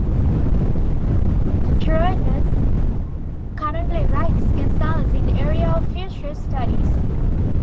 Schroeder currently writes, consults in the area of futures studies.